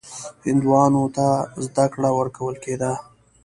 هندوانو ته زده کړه ورکول کېده.